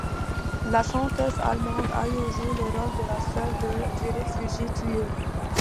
La chanteuse allemande Ayọ joue le rôle de la sœur du réfugié tué.